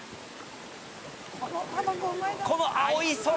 「この青い空！」